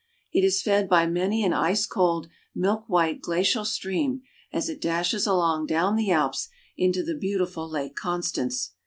It is fed by many an ice cold, milk white glacial stream as it dashes along down the Alps into the beautiful Lake Constance.